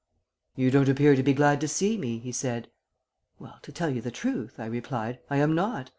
"'You don't appear to be glad to see me,' he said. "'Well, to tell you the truth,' I replied, 'I am not.